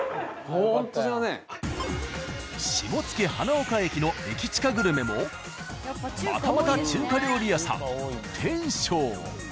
下野花岡駅のエキチカグルメもまたまた中華料理屋さん「天昇」。